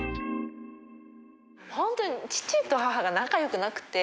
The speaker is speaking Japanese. ホントに父と母が仲良くなくて。